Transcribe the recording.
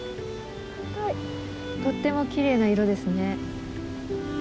とってもきれいな色ですね。